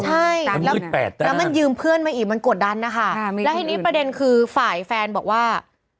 ใช่แล้วมันยืมเพื่อนมาอีกมันกดดันนะคะแล้วทีนี้ประเด็นคือฝ่ายแฟนบอกว่า